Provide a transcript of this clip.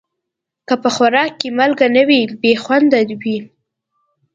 که خوراک کې مالګه نه وي، بې خوند وي.